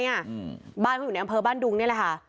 อืมบ้านเขาอยู่ในอำเภอบ้านดุงนี่แหละค่ะ